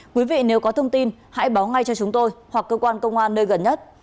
quý vị nếu có thông tin hãy báo ngay cho chúng tôi hoặc cơ quan công an nơi gần nhất